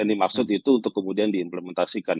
yang dimaksud itu untuk kemudian diimplementasikan